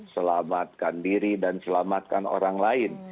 selamatkan diri dan selamatkan orang lain